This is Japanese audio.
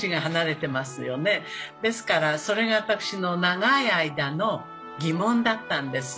ですからそれが私の長い間の疑問だったんです。